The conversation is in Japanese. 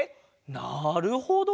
なるほど！